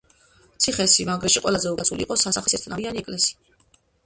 ციხესიმაგრეში ყველაზე უკეთ დაცული იყო სასახლის ერთნავიანი ეკლესია.